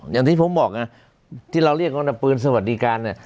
อย่างที่ผมบอกนะที่เราเรียกของอาวุธปืนสวัสดีการณ์